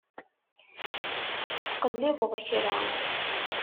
Tettqellibeḍ kra?